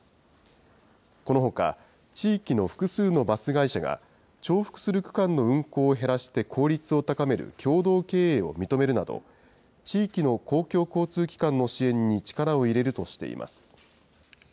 このほか、地域の複数のバス会社が、重複する区間の運行を減らして効率を高める共同経営を認めるなど、地域の公共交通機関の支援に力を入れるとしています。